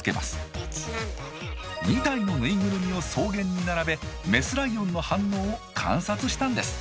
２体のぬいぐるみを草原に並べメスライオンの反応を観察したんです。